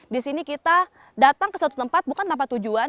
di sini kita datang ke satu tempat bukan tanpa tujuan